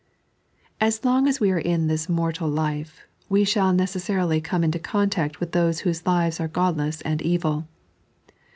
AS long as we are in this mortal life, we shall neces saril; come into coatnct witii those whose lives are godless and evil.